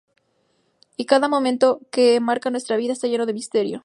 Y cada momento que marca nuestra vida está lleno de misterio.